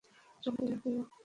চলে যাবে ও।